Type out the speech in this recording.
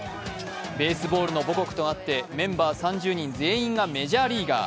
ベースボールの母国とあってメンバー３０人全員がメジャーリーガー。